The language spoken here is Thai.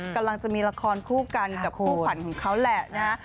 กำลังจะมีละครผู้กันอยู่กับผู้ฝันของเขาแหละนะฮะ